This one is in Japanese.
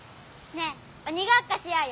ねえおにごっこしようよ。